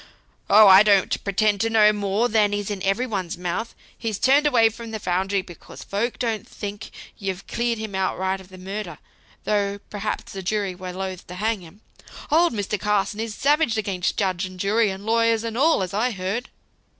"Oh! I don't pretend to know more than is in every one's mouth: he's turned away from the foundry, because folks don't think you've cleared him outright of the murder; though perhaps the jury were loth to hang him. Old Mr. Carson is savage against judge and jury, and lawyers and all, as I heard."